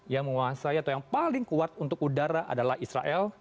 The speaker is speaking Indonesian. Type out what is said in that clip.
yang paling kuat untuk udara adalah israel